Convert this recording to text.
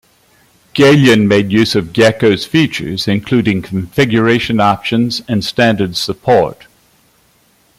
Galeon made use of Gecko's features including configuration options and standards support.